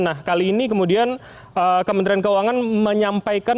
nah kali ini kemudian kementerian keuangan menyampaikan